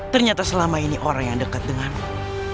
ternyata selama ini orang yang dekat denganmu